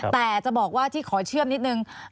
แต่จะบอกว่าที่ขอเชื่อมนิดนึง